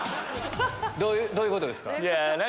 どういうことですか？